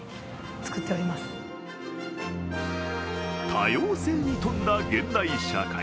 多様性に富んだ現代社会。